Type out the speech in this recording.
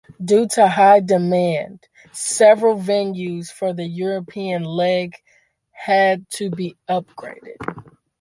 Due to high demand several venues for the European leg had to be upgraded.